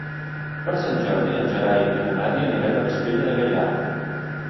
Per Sant Jordi en Gerai i na Nàdia aniran a Vespella de Gaià.